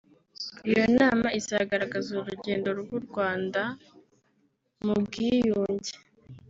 Iyo nama izagaragaza urugendo rw’u Rwanda mu bwiyunge